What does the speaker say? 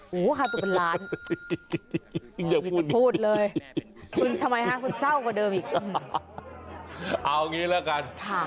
โหค่าตัวเป็นล้านพูดเลยคุณทำไมฮะคุณเจ้ากว่าเดิมอีกเอาอย่างงี้แล้วกันค่ะ